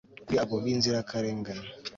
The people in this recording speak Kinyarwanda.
kuri abo bi nzirakarengane